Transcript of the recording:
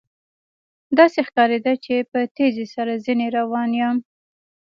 داسې ښکارېدل چې په تېزۍ سره ځنې روان یم.